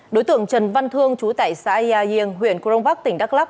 đối tượng trần văn thương chú tại xã yà yên huyện crong vác tỉnh đắk lắk